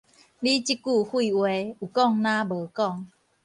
你這句廢話，有講若無講